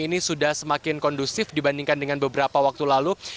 ini sudah semakin kondusif dibandingkan dengan beberapa waktu lalu